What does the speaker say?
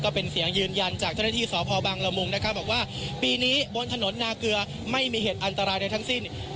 เป็นเสียงยืนยันจากเจ้าหน้าที่สพบังละมุงนะครับบอกว่าปีนี้บนถนนนาเกลือไม่มีเหตุอันตรายใดทั้งสิ้น